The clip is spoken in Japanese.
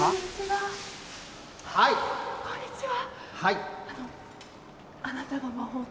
こんにちは。